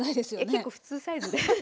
結構普通サイズで。